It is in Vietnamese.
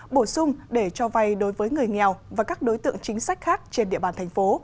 bổ sung để cho vay đối với người nghèo và các đối tượng chính sách khác trên địa bàn thành phố